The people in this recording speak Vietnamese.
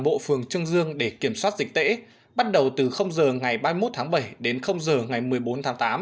bộ phường trương dương để kiểm soát dịch tễ bắt đầu từ giờ ngày ba mươi một tháng bảy đến giờ ngày một mươi bốn tháng tám